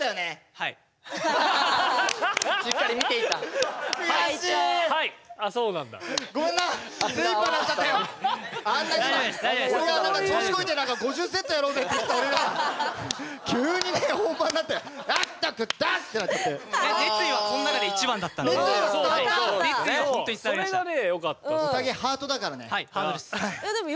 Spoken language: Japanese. はいハートです。